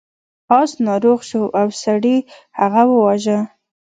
اس ناروغ شو او سړي هغه وواژه.